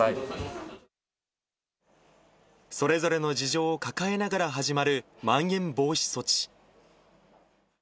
それぞれの事情を抱えながら始まる、まん延防止措置。